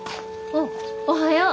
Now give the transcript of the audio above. あっおはよう。